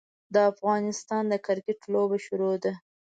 د افغانستان د کرکیټ لوبه شروع ده.